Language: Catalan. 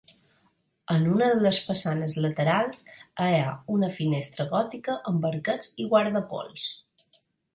En una de les façanes laterals hi ha una finestra gòtica amb arquets i guardapols.